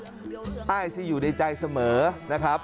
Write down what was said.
และก็มีการกินยาละลายริ่มเลือดแล้วก็ยาละลายขายมันมาเลยตลอดครับ